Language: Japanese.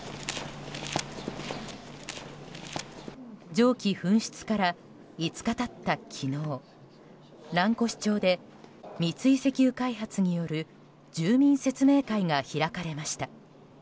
蒸気噴出から５日経った昨日蘭越町で三井石油開発による住民説明会が開かれました。